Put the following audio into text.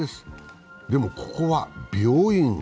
でも、ここは病院。